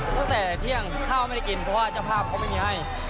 ตั้งแต่เที่ยงข้าวไม่ได้กินเพราะว่า